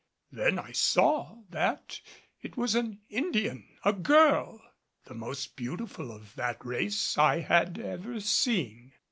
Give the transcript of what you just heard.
Then I saw that it was an Indian, a girl the most beautiful of that race I had ever seen.